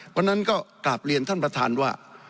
เพราะฉะนั้นก็กราบเรียนท่านประธานว่า